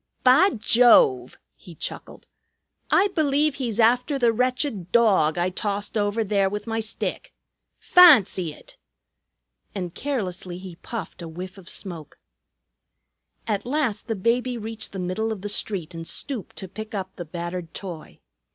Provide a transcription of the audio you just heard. "Bah Jove!" he chuckled. "I believe he's after the wretched dawg that I tossed over there with my stick. Fahncy it!" And carelessly he puffed a whiff of smoke. At last the baby reached the middle of the street and stooped to pick up the battered toy.